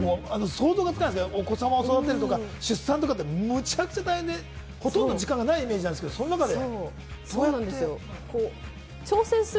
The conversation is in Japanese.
想像がつかないんですけど、お子様を育てるとか出産とかめちゃくちゃ大変で、ほとんど時間がないイメージなんですけど、その中で。